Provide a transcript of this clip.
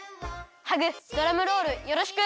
ハグドラムロールよろしく！